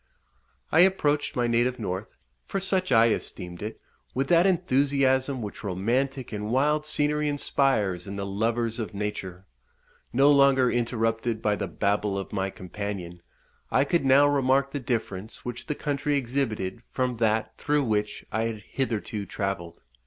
I approached my native north, for such I esteemed it, with that enthusiasm which romantic and wild scenery inspires in the lovers of nature. No longer interrupted by the babble of my companion, I could now remark the difference which the country exhibited from that through which I had hitherto travelled.